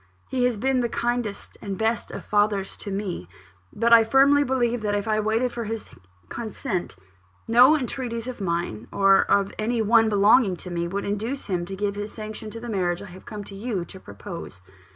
He has been the kindest and best of fathers to me; but I firmly believe, that if I waited for his consent, no entreaties of mine, or of any one belonging to me, would induce him to give his sanction to the marriage I have come to you to propose."